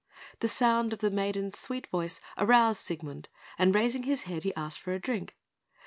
The sound of the maiden's sweet voice aroused Siegmund; and raising his head, he asked for a drink.